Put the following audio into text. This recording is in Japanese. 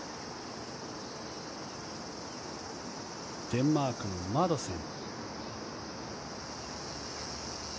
デンマークのマドセン。